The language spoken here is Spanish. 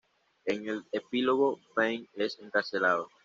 En el epílogo, Payne es encarcelado.